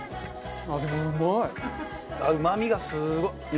うまみがすごい。